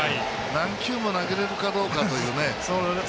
何球も投げられるかどうかという。